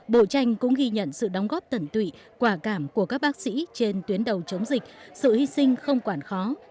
bộ tranh cũng ghi nhận sự đóng góp tận tụy quả cảm của các bác sĩ trên tuyến đầu chống dịch sự hy sinh không quản khó